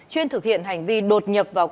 chuyên thực hiện hành vi đột nhập vào